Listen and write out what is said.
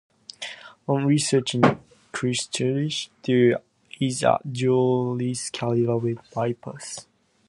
On reaching Christchurch, there is a dual-carriageway bypass.